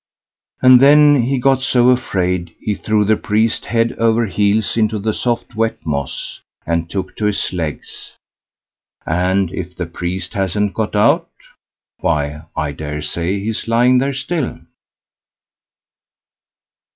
And then he got so afraid, he threw the priest head over heels into the soft wet moss, and took to his legs; and if the priest hasn't got out, why I dare say he's lying there still.